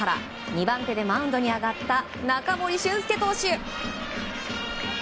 ２番手でマウンドに上がった中森俊介投手。